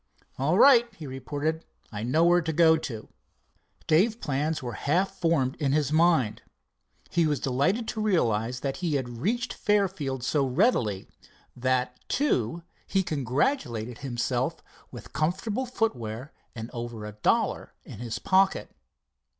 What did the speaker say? "All right," he reported, "I know where to go to." Dave's plans were half formed in his mind. He was delighted to realize that he had reached Fairfield so readily—that, too, he congratulated himself, with comfortable footwear and over a dollar in his pocket.